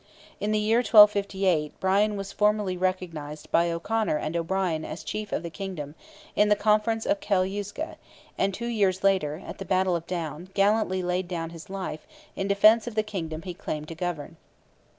In the year 1258, Brian was formally recognized by O'Conor and O'Brien as chief of the kingdom, in the conference of Cael uisge, and two years later, at the battle of Down, gallantly laid down his life, in defence of the kingdom he claimed to govern.